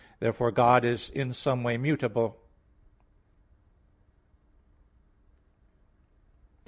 Therefore God is in some way mutable.